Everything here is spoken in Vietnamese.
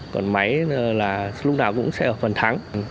còn máy là lúc nào cũng sẽ ở phần thắng